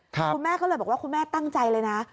คุณแม่ก็เลยบอกว่าคุณแม่ตั้งใจเลยนะ